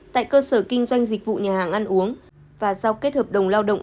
tại cơ sở kinh doanh dịch vụ nhà hàng ăn uống và giao kết hợp đồng lao động